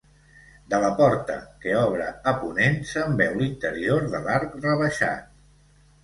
De la porta, que obre a ponent, se'n veu l'interior de l'arc rebaixat.